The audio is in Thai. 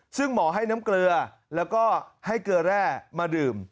ซึ่งหมอให้น้ำเกลือแล้วก็ให้เกลือแร่มาดื่ม